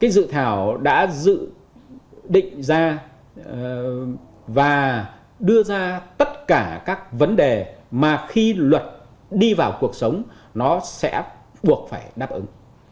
dự thảo đã dự định ra và đưa ra tất cả các vấn đề mà khi luật đi vào cuộc sống nó sẽ buộc phải đáp ứng